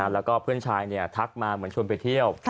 แล้วก็เพื่อนชายทักมาเหมือนชวนไปเที่ยว